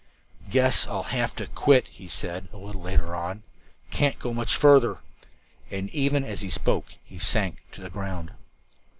"Guess I'll have to quit," he said, a little later on. "Can't go much further." And even as he spoke he sank to the ground.